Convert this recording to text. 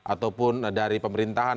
ataupun dari pemerintahan